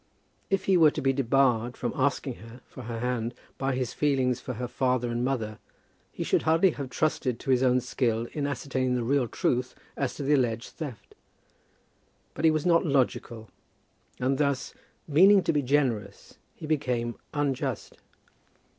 If he were to be debarred from asking her for her hand by his feelings for her father and mother, he should hardly have trusted to his own skill in ascertaining the real truth as to the alleged theft. But he was not logical, and thus, meaning to be generous, he became unjust.